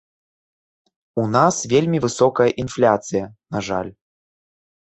У нас вельмі высокая інфляцыя, на жаль.